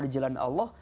di jalan allah